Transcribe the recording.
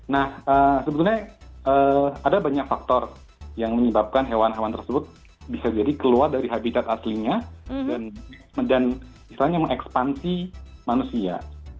nah sebetulnya ada banyak faktor yang menyebabkan hewan hewan tersebut bisa jadi keluar dari habitat aslinya dan istilahnya mengekspansi manusia